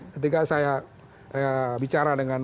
ketika saya bicara dengan